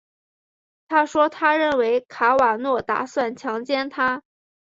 她说她认为卡瓦诺打算强奸她。